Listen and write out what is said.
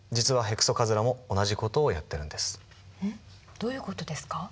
どういう事ですか？